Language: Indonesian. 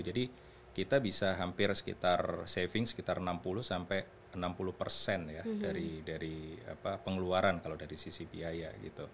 jadi kita bisa hampir saving sekitar enam puluh sampai enam puluh ya dari pengeluaran kalau dari sisi biaya